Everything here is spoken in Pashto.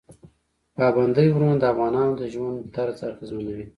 پابندی غرونه د افغانانو د ژوند طرز اغېزمنوي.